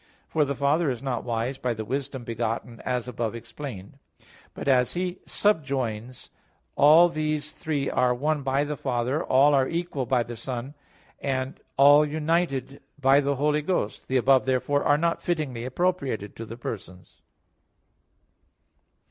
For the Father is not wise by the wisdom begotten, as above explained (Q. 37, A. 2, ad 1). But, as he subjoins, "All these three are one by the Father; all are equal by the Son, and all united by the Holy Ghost." The above, therefore, are not fittingly appropriated to the Persons.